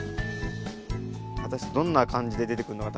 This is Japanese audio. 果たしてどんな感じで出てくるのか？